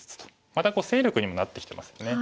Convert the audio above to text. また勢力にもなってきてますね。